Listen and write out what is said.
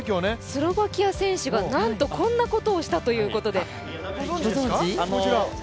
スロバキア選手がなんとこんなことをしたということで、ご存じですか。